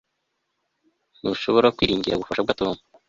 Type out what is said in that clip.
Ntushobora kwiringira ubufasha bwa Tom